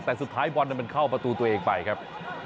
แต่สุดท้ายบอลมันเข้าประตูตัวเองไปครับ